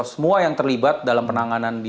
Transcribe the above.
semua yang terlibat dalam penanganan di